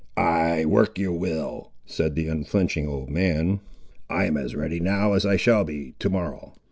"Ay, work your will," said the unflinching old man; "I am as ready now as I shall be to morrow.